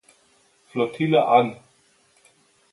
Flottille an.